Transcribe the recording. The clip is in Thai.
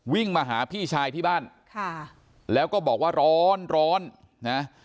วิ่งมาหาพี่ชายที่บ้านค่ะแล้วก็บอกว่าร้อนร้อนนะ